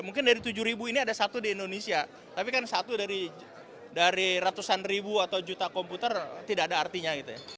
mungkin dari tujuh ribu ini ada satu di indonesia tapi kan satu dari ratusan ribu atau juta komputer tidak ada artinya gitu ya